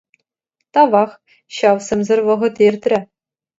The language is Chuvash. Тавах, ҫав сӗмсӗр вӑхӑт иртрӗ.